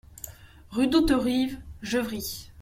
Rue d'Hauterive, Gevry